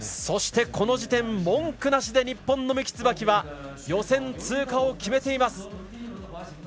そして、この時点で文句なしで、日本の三木つばきは予選通過を決めています。